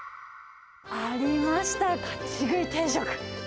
ありました、立ち食い定食。